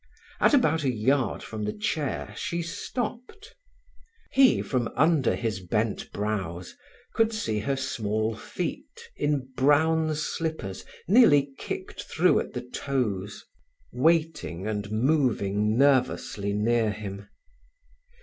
At about a yard from the chair she stopped. He, from under his bent brows, could see her small feet in brown slippers, nearly kicked through at the toes, waiting and moving nervously near him.